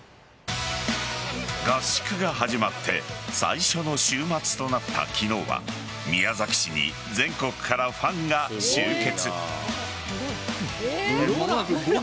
合宿が始まって最初の週末となった昨日は宮崎市に全国からファンが集結。